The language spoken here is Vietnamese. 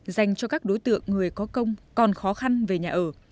dành cho các đối tượng người có công còn khó khăn về nhà ở